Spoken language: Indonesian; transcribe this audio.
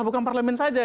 bukan parlemen saja